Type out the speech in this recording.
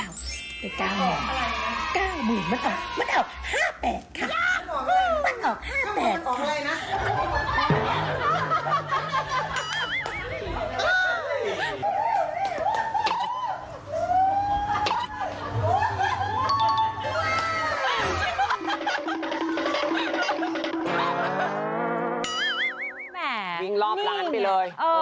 วิ่งลอบร้านไปเลย